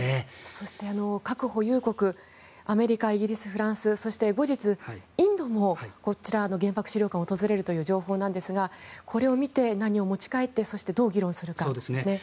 そして、核保有国アメリカ、イギリス、フランスそして後日、インドも原爆資料館を訪れるという情報なんですが、これを見て何を持ち帰ってどう議論するかですね。